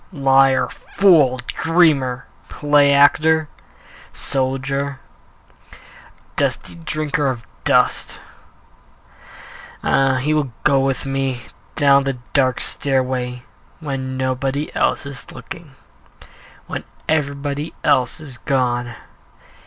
Liar, fool, dreamer, play actor, Soldier, dusty drinker of dust Ah! he will go with me Down the dark stairway When nobody else is looking, When everybody else is gone.